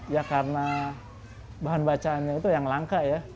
ya karena bahan bacaannya itu yang langka ya